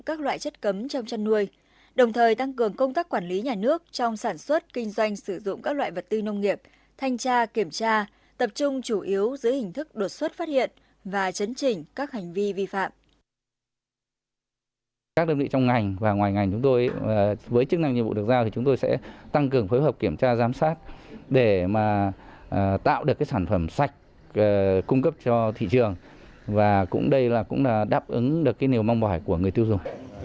các đơn vị trong ngành và ngoài ngành chúng tôi với chức năng nhiệm vụ được giao thì chúng tôi sẽ tăng cường phối hợp kiểm tra giám sát để mà tạo được cái sản phẩm sạch cung cấp cho thị trường và cũng đây là cũng là đáp ứng được cái niềm mong bỏ của người tiêu dùng